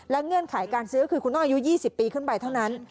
เงื่อนไขการซื้อคือคุณต้องอายุ๒๐ปีขึ้นไปเท่านั้น